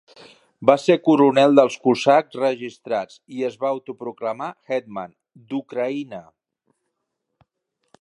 Va ser coronel dels cosacs registrats i es va autoproclamar "hetman" d'Ucraïna.